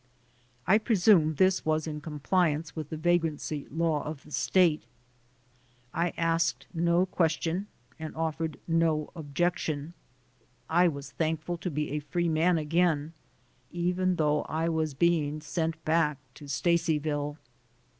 I presume this was in compliance with the vagrancy law of the state. I asked no ques tion and offered no objection. I was thankful to be a free man again, even though I was being sent back to Stacyville.